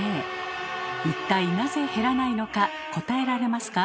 一体なぜ減らないのか答えられますか？